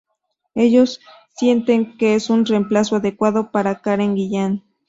Ellos sienten que es un reemplazo adecuado para Karen Gillan".